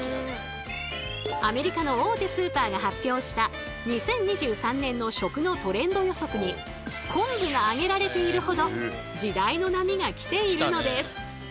アメリカの大手スーパーが発表した２０２３年の食のトレンド予測に昆布が挙げられているほど時代の波が来ているのです。